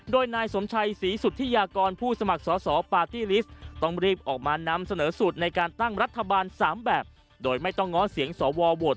โดยนายสมชัยศรีสุธิยากรผู้สมัครสาวปาร์ตี้ลิสต์